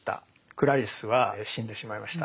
クラリスは死んでしまいました。